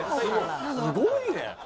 すごいね！